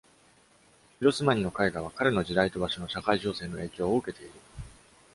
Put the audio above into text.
ピロスマニの絵画は、彼の時代と場所の社会情勢の影響を受けている。